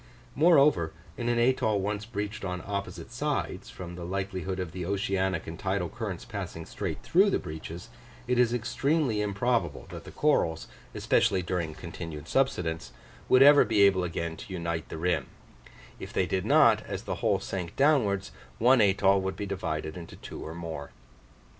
Moreover, in an atoll once breached on opposite sides, from the likelihood of the oceanic and tidal currents passing straight through the breaches, it is extremely improbable that the corals, especially during continued subsidence, would ever be able again to unite the rim; if they did not, as the whole sank downwards, one atoll would be divided into two or more.